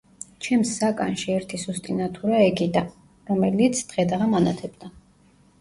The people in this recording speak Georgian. ჩემს საკანში ერთი სუსტი ნათურა ეკიდა, რომელიც დღედაღამ ანათებდა.